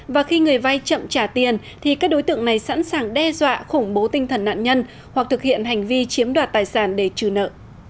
và khi người vay chậm trả tiền thì các đối tượng này sẵn sàng đe dọa khủng bố tinh thần nạn nhân hoặc thực hiện hành vi chiếm đoạt tài sản để trừ nợ